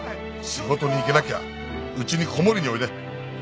仕事に行けなきゃうちに子守りにおいで」